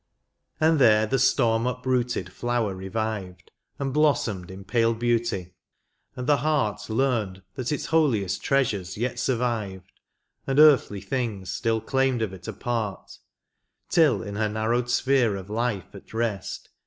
And there the storm uprooted flower revived, And blossomed in pale beauty, and the heart Learned that its holiest treasures yet survived. And earthly things still claimed of it a part ; Till in her narrowed sphere of life at rest.